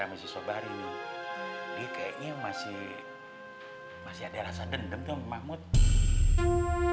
amisi sobat ini dia kayaknya masih masih ada rasa dendam memahami jadi uang dibayarkan ke abang itu